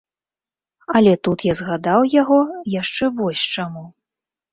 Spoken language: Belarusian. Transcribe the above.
Але тут я згадаў яго яшчэ вось чаму.